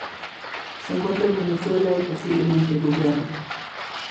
Se encuentra en Venezuela y posiblemente Guyana.